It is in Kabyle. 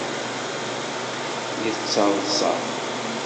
Yettaḍṣa.